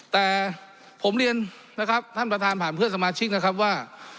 แต่ผมเรียนนะครับท่านประธานผ่านเพื่อนสมาชิกนะครับว่า